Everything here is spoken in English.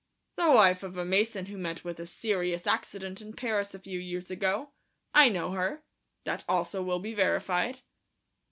"The wife of a mason who met with a serious accident in Paris a few years ago. I know her. That also will be verified."